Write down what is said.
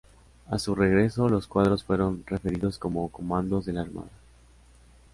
A su regreso, los cuadros fueron referidos como Comandos de la Armada.